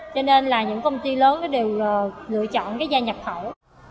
cho nên là những công ty lớn đều lựa chọn cái da nhập khẩu